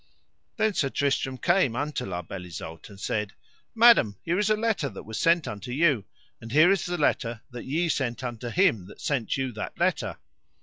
Then Sir Tristram came unto La Beale Isoud and said: Madam, here is a letter that was sent unto you, and here is the letter that ye sent unto him that sent you that letter.